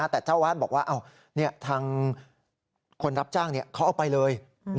แต่เจ้าวาดบอกว่าทางคนรับจ้างเขาเอาไปเลย